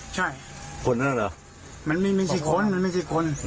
ใช่คนนั่นหรอมันไม่มันไม่ใช่คนมันไม่ใช่คนหรอ